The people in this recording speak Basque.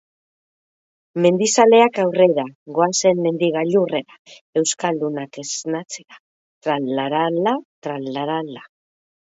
Mendizaleak aurrera, goazen mendi gailurrera, euskaldunak esnatzera, tralarala, tralarala.